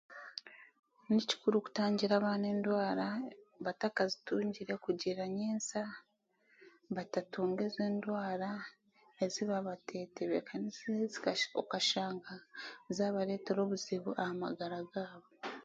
Ni kikuru kutangira abaana endwara batakazitungire kugira ngu nyensya batatunga ezo endwara ezi baaba bateetebekaniisize okashanga zaabareetera obuzibu aha magara gaabo.